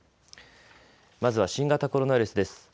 まずは新型コロナウイルスです。